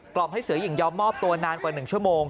ล่อมให้เสือหญิงยอมมอบตัวนานกว่า๑ชั่วโมง